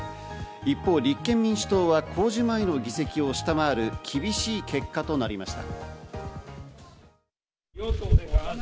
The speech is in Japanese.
一方、立憲民主党は公示前の議席を下回る厳しい結果となりました。